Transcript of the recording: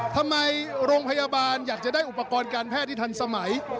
ทำไมโรงพยาบาลอยากจะได้อุปกรณ์การแพทย์ที่ทันสมัย